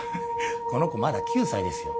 この子まだ９歳ですよ